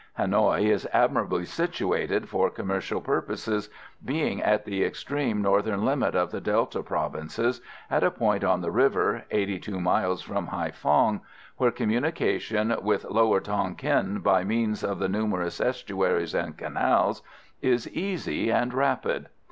Hanoï is admirably situated for commercial purposes, being at the extreme northern limit of the Delta provinces, at a point on the river, 82 miles from Haïphong, where communication with lower Tonquin, by means of the numerous estuaries and canals, is easy and rapid.